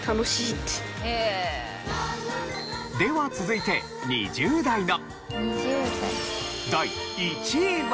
では続いて２０代の。